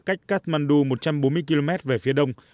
cách kathmandu một trăm bốn mươi km về phía đông